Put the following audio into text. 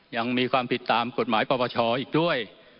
ยังมีความผิดตามกฎหมายปปชอีกด้วย